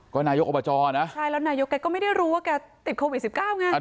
ก็นายกอบจนะใช่แล้วนายกแกก็ไม่ได้รู้ว่าแกติดโควิด๑๙ไง